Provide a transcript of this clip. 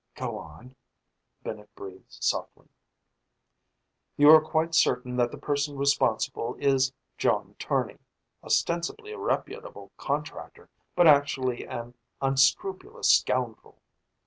"Go on," Bennett breathed softly. "You are quite certain that the person responsible is John Tournay, ostensibly a reputable contractor, but actually an unscrupulous scoundrel.